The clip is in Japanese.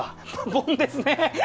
ボンですね。